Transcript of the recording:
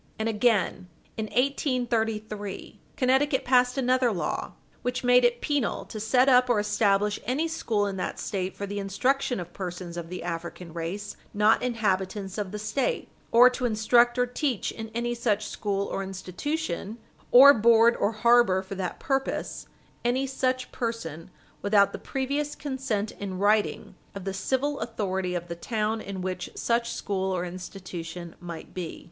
And again, in 1833, Connecticut passed another law which made it penal to set up or establish any school in that State for the instruction of persons of the African race not inhabitants of the State, or to instruct or teach in any such school or Page 60 U. S. 415 institution, or board or harbor for that purpose, any such person without the previous consent in writing of the civil authority of the town in which such school or institution might be.